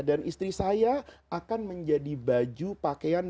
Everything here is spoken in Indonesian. dan istri saya akan menjadi baju pakaian